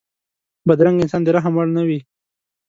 بدرنګه انسان د رحم وړ نه وي